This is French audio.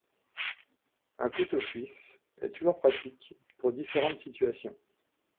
Un couteau suisse est toujours pratique pour différentes situations.